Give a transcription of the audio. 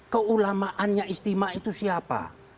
keulamaannya istimewa itu siapa